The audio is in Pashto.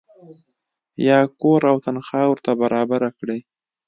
یا کور او تنخوا ورته برابره کړي.